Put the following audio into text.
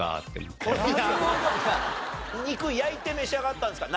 肉焼いて召し上がったんですか？